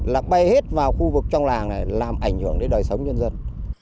lạc bay hết vào khu vực trong làng này làm ảnh hưởng đến đời sống nhân dân